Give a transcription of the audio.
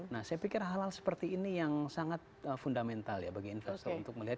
nah saya pikir hal hal seperti ini yang sangat fundamental ya bagi investor untuk melihat